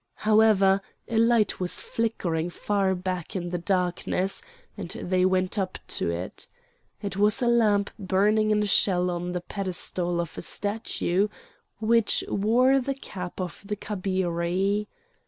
However a light was flickering far back in the darkness, and they went up to it. It was a lamp burning in a shell on the pedestal of a statue which wore the cap of the Kabiri.